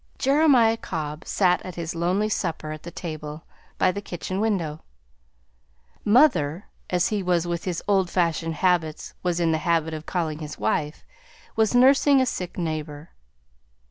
Jeremiah Cobb sat at his lonely supper at the table by the kitchen window. "Mother," as he with his old fashioned habits was in the habit of calling his wife, was nursing a sick neighbor.